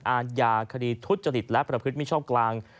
อาญาคดีทุจริตและประพฤติมิชอบกลาง